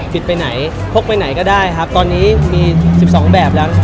บิดไปไหนพกไปไหนก็ได้ครับตอนนี้มี๑๒แบบแล้ว